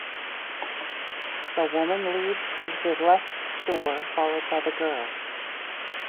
The woman leaves through the left door followed by the girl.